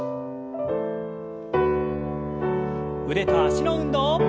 腕と脚の運動。